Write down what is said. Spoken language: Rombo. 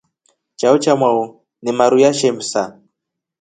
Chao chamo ni maru ya shemsa.